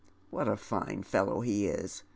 " "What a fine fellow he is !